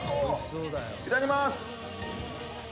いただきます！